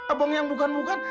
abang yang bukan bukan